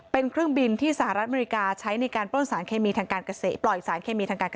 เป็นเครื่องบินที่สหรัฐอเมริกาใช้ในการปล่อยสารเคมีทางการเกษตร